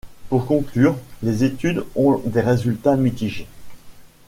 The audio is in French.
Pour conclure, les études ont des résultats mitigés.